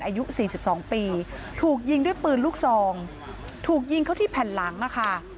อายุ๔๒ปีถูกยิงด้วยปืนลูกซองถูกยิงเข้าที่แผ่นหลังนะคะ